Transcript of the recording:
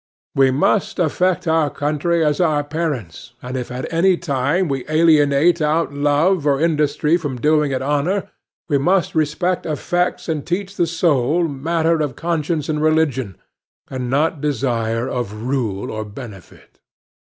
"We must affect our country as our parents, And if at any time we alienate Out love of industry from doing it honor, We must respect effects and teach the soul Matter of conscience and religion, And not desire of rule or benefit."